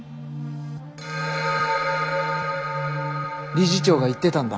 理事長が言ってたんだ。